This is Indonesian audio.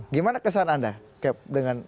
gimana kesan anda dengan sosok